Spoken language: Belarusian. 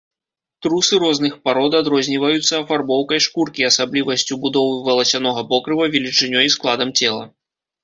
Трусы розных парод адрозніваюцца афарбоўкай шкуркі, асаблівасцю будовы валасянога покрыва, велічынёй і складам цела.